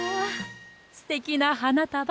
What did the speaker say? すてきなはなたば。